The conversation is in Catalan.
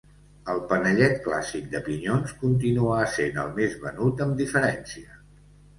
El panellet clàssic de pinyons continua essent el més venut amb diferència.